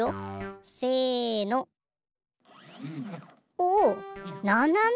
おおななめ。